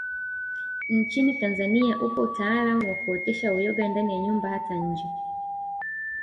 Nchini Tanzania upo utaalamu wakuotesha uyoga ndani ya nyumba hata nje